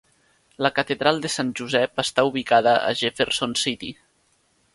La catedral de Sant Josep està ubicada a Jefferson City.